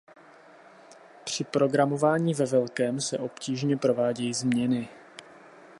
Při "programování ve velkém" se obtížně provádějí změny.